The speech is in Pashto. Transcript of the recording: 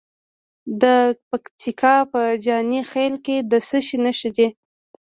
د پکتیکا په جاني خیل کې د څه شي نښې دي؟